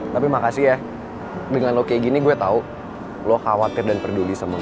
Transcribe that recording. tapi makasih ya dengan lo kayak gini gue tau lo khawatir dan peduli sama gue